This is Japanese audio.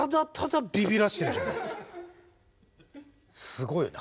すごいよね。